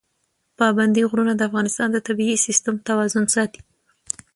پابندي غرونه د افغانستان د طبعي سیسټم توازن ساتي.